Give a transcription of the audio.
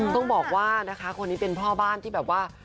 ต้องบอกว่านะคะคนนี้เป็นพ่อบ้านที่แบบว่า